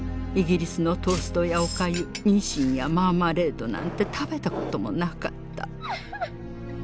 イギリスのトーストやおかゆニシンやマーマレードなんて食べたこともなかった。